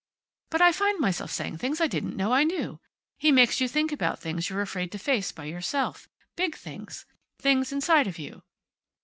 But I find myself saying things I didn't know I knew. He makes you think about things you're afraid to face by yourself. Big things. Things inside of you."